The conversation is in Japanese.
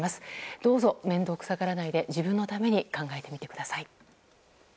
どうぞ面倒くさがらないで自分のために考えてみてください。